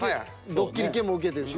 ドッキリ系も受けてるし。